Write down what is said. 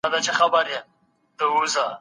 زه کولای شم اوبه وڅښم.